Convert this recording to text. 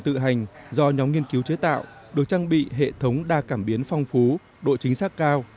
tự hành do nhóm nghiên cứu chế tạo được trang bị hệ thống đa cảm biến phong phú độ chính xác cao